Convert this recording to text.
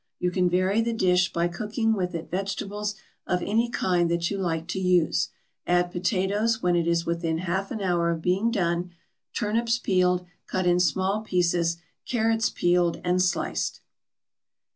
You can vary the dish by cooking with it vegetables of any kind that you like to use. Add potatoes when it is within half an hour of being done, turnips peeled, cut in small pieces; carrots peeled and sliced.